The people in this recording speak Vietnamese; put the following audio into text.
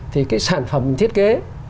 thì cái sản phẩm thiết kế